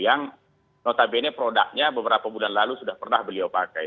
yang notabene produknya beberapa bulan lalu sudah pernah beliau pakai